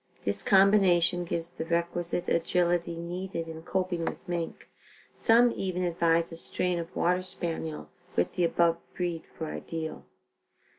This combination gives the requisite agility needed in coping with mink. Some even advise a strain of water Spaniel with the above breed for ideal.